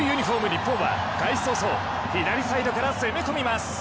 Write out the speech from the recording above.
日本は、開始早々左サイドから攻め込みます。